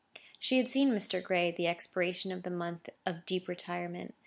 She had seen Mr. Gray at the expiration of the month of deep retirement.